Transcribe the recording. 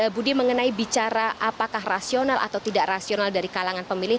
dan budi mengenai bicara apakah rasional atau tidak rasional dari kalangan pemilih